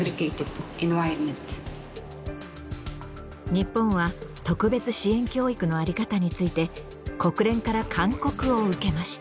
日本は特別支援教育の在り方について国連から勧告を受けました。